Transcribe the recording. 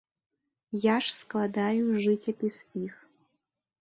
Я ж складаю жыццяпіс іх.